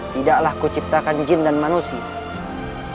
tidaklah ku ciptakan jin dan manusia